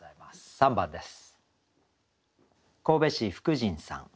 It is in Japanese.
３番です。